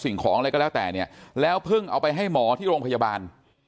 สิ่งของอะไรก็แล้วแต่เนี่ยแล้วเพิ่งเอาไปให้หมอที่โรงพยาบาล